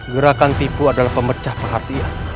gerakan tipu adalah pemecah perhatian